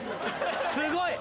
すごい。